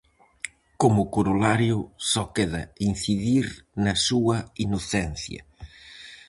Como corolario só queda incidir na súa inocencia.